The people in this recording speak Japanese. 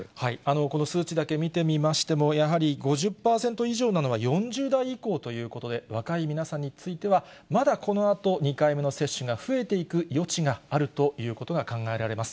この数値だけ見てみましても、やはり５０％以上なのは４０代以降ということで、若い皆さんについては、まだこのあと、２回目の接種が増えていく余地があるということが考えられます。